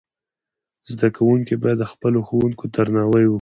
زدهکوونکي باید د خپلو ښوونکو درناوی وکړي.